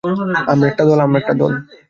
আমরা একটা দল।